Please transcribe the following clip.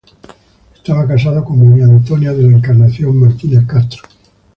Estaba casado con María Antonia de la Encarnación Martínez Castro.